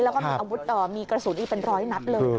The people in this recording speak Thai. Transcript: แล้วก็กระสุนอีกเป็นร้อยนัดเลย